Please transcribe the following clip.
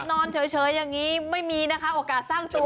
นอนเฉยอย่างนี้ไม่มีนะคะโอกาสสร้างตัว